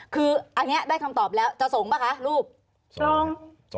คืออันนี้ได้คำตอบแล้วจะส่งป่ะคะรูปส่ง